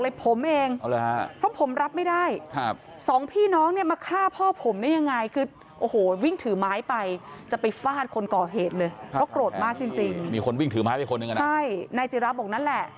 ใช่นายจิระบอกนั่นแหละ